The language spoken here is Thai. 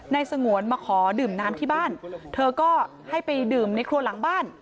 สงวนมาขอดื่มน้ำที่บ้านเธอก็ให้ไปดื่มในครัวหลังบ้าน